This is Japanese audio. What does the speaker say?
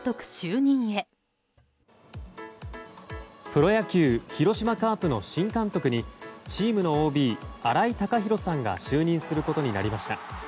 プロ野球広島カープの新監督にチームのＯＢ、新井貴浩さんが就任することになりました。